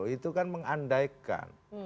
itu kan mengandaikan